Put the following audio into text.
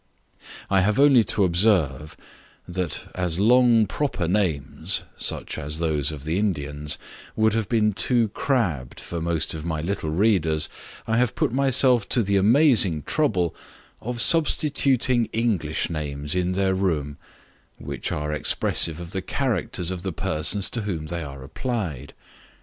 I have only to observe, that as long proper names (such as those of the Indians) would have been too crabbed for most of my little readers, I have put myself to the amazing trouble of substituting English names in their room, which are expressive of the characters of the persons to whom they are applied.